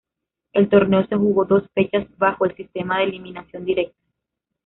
El torneo se jugó dos fechas, bajo el sistema de eliminación directa.